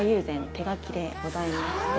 手描きでございまして。